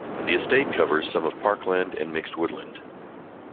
The estate covers some of parkland and mixed woodland.